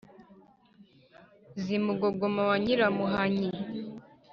z’i mugogoma wa nyiramuhanyi